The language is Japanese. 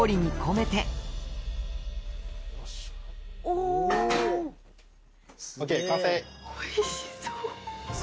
おいしそう。